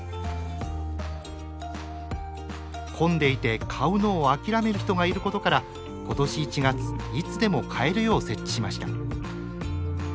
混んでいて買うのを諦める人がいることから今年１月いつでも買えるよう設置しました。